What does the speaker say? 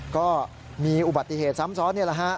ก็มีอุบัติเหตุซ้ำซ้อนนี่แหละฮะ